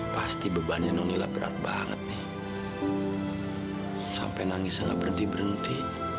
pasti bebannya nonila berat banget nih sampai nangis nggak berhenti berhenti